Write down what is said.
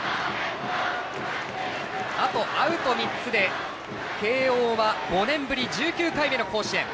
あとアウト３つで慶応は５年ぶり１９回目の甲子園。